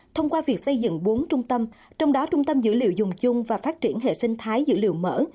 thông qua việc xây dựng bốn trung tâm trong đó trung tâm dữ liệu dùng chung và phát triển hệ sinh thái dữ liệu mở